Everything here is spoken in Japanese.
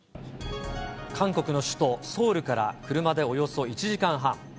韓国の首都ソウルから車でおよそ１時間半。